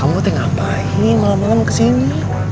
kamu ngapain malam malam kesini